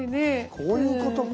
こういうことか。